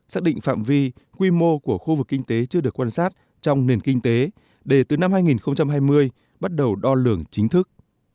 xác định phạm vi quy mô của khu vực kinh tế chưa được quan sát trong nền kinh tế để từ năm hai nghìn hai mươi bắt đầu đo lường chính thức